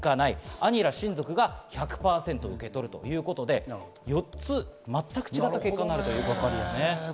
兄ら親族が１００％受け取るということで、４つ全く違った結果になるということですね。